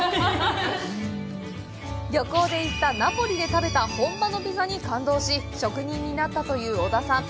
旅行で行ったナポリで食べた本場のピザに感動し職人になったという小田さん